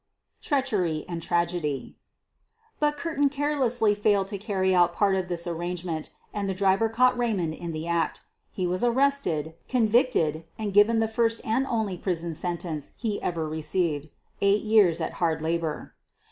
TREACHERY AND TRAGEDY But Curtin carelessly failed to carry out part of this arrangement and the driver caught Raymond in the act He was arrested, convicted, and given the first and only prison sentence he ever received— eight years at hard labor.